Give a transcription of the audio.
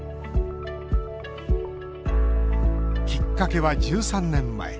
きっかけは１３年前。